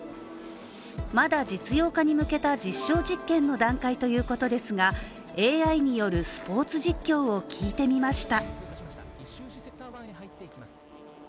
まだ実用化に向けた実証実験の段階ということですがＡＩによるスポーツ実況を聞いてみました。